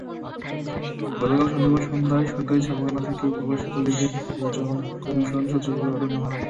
গতকাল শনিবার সন্ধ্যায় সরকারি ছাপাখানা থেকে প্রকাশিত গেজেট নির্বাচন কমিশন সচিবালয়ে পাঠানো হয়।